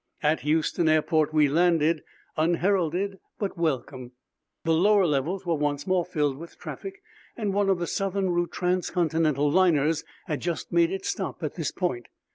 At Houston Airport we landed, unheralded but welcome. The lower levels were once more filled with traffic, and one of the southern route transcontinental liners had just made its stop at this point.